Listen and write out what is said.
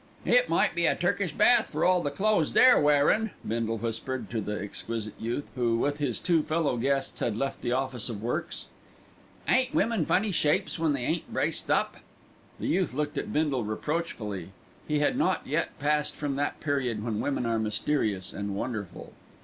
"It might be a Turkish bath for all the clothes they're wearin'," Bindle whispered to the exquisite youth, who with his two fellow guests had left the Office of Works. "Ain't women funny shapes when they ain't braced up!" The youth looked at Bindle reproachfully. He had not yet passed from that period when women are mysterious and wonderful.